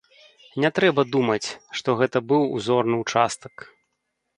Не трэба думаць, што гэта быў узорны ўчастак.